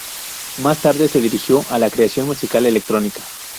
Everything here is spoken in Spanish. Más tarde se dirigió a la creación musical electrónica.